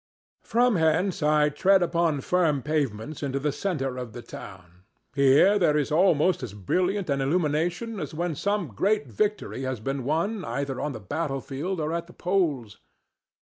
From hence I tread upon firm pavements into the centre of the town. Here there is almost as brilliant an illumination as when some great victory has been won either on the battlefield or at the polls.